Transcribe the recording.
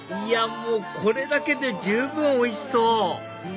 もうこれだけで十分おいしそう！